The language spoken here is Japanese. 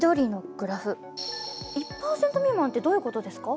１％未満ってどういうことですか？